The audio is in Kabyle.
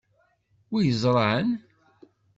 Wi yeẓran?